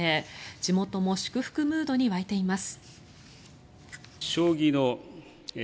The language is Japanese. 地元も祝福ムードに沸いています。